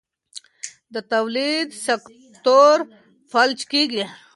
د تولید سکتور فلج کېږي.